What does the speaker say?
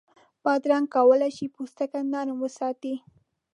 بادرنګ کولای شي پوستکی نرم وساتي.